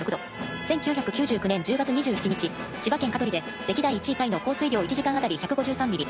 １９９９年１０月２７日千葉県香取で歴代１位タイの降水量１時間あたり１５３ｍｍ。